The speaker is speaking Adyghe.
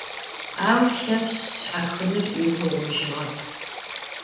Au Lhepşs şşxenır yiguğujığep.